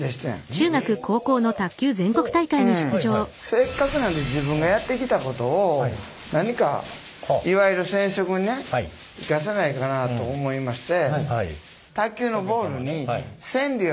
せっかくなんで自分がやってきたことを何かいわゆる染色にね生かせないかなと思いまして。